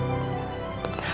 aku harus telfon angga nih